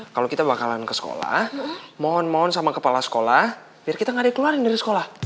kalau kita bakalan ke sekolah mohon mohon sama kepala sekolah biar kita nggak dikeluarkan dari sekolah